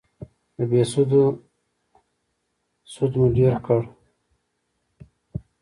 د بهسودو سود مو ډېر کړ